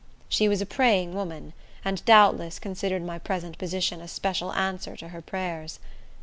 She was a praying woman, and, doubtless, considered my present position a special answer to her prayers.